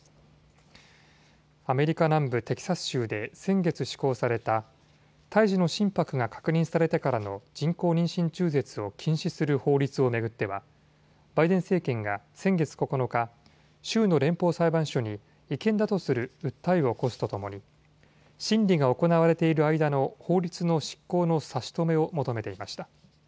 アメリカ南部テキサス州で先月施行された胎児の心拍が確認されてからの人工妊娠中絶を禁止する法律を巡ってはバイデン政権が先月９日、州の連邦裁判所に違憲だとする訴えを起こすとともに審理が行われている間の法律の執行の差し止めを求めていました。